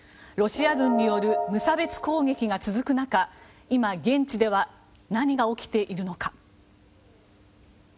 ロシア軍による無差別攻撃が続く中、今、現地では何が起きているのか。